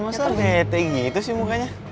masa bete gitu sih mukanya